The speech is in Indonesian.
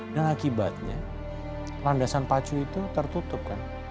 dan akibatnya landasan pacu itu tertutup